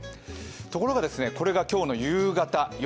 ところが、これが今日の夕方、夜。